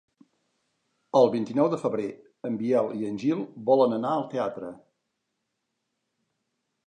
El vint-i-nou de febrer en Biel i en Gil volen anar al teatre.